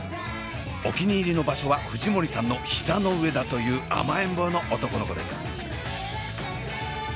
お気に入りの場所は藤森さんの膝の上だという甘えん坊の男の子です。